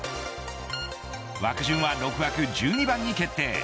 枠順は６枠１２番に決定。